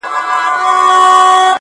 o تر کاچوغي ئې لاستی دروند دئ٫